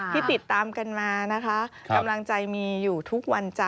ที่ปิดตามกันมานะคะ